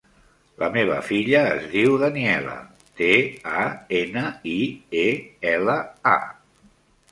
La meva filla es diu Daniela: de, a, ena, i, e, ela, a.